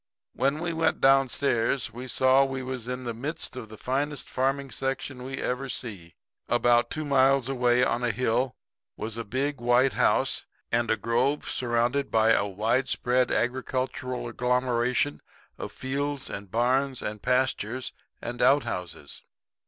"When we went down stairs we saw we was in the midst of the finest farming section we ever see. About two miles away on a hill was a big white house in a grove surrounded by a wide spread agricultural agglomeration of fields and barns and pastures and out houses.